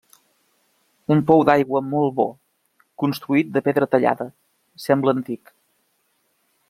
Un pou d'aigua molt bo, construït de pedra tallada, sembla antic.